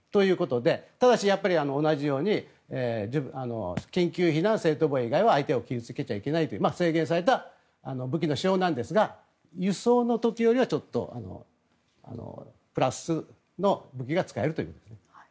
ただし同じように緊急避難、正当防衛以外は相手を傷付けちゃいけないという制限された武器の使用なんですが輸送の時よりはプラスの武器が使えるということです。